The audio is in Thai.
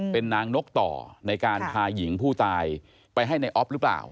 เป็นนางนกต่อในการพาหญิงผู้ตายไปให้ในออฟหรือเปล่า